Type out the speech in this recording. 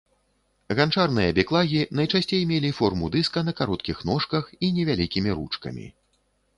Ганчарныя біклагі найчасцей мелі форму дыска на кароткіх ножках і невялікімі ручкамі.